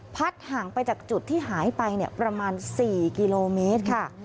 ห่างไปจากจุดที่หายไปประมาณ๔กิโลเมตรค่ะ